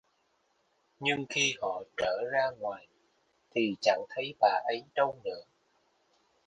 Nhưng khi họ trở ra ngoài thì chẳng thấy bà ấy đâu nữa